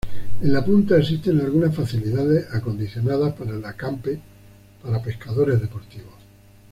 En la punta existen algunas facilidades acondicionadas para el acampe para pescadores deportivos.